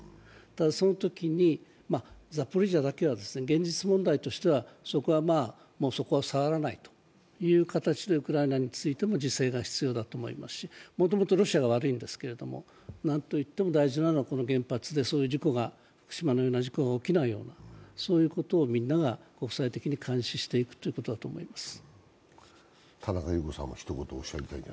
ただ、そのときにザポリージャだけは現実問題としてはそこは触らないという形でウクライナについても自制が必要だと思いますし、もともとロシアが悪いんですけれども、何といっても大事なのは福島のような事故が起きないようなそういうことをみんなが国際的に監視していくことだと思います。